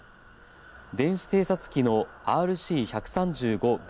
電子偵察機のＲＣ１３５Ｖ